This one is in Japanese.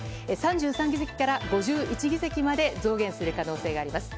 ３３議席から５１議席まで増減する可能性があります。